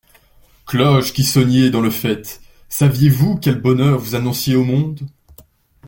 Cloches qui sonniez dans le faîte, saviez-vous quel bonheur vous annonciez au monde?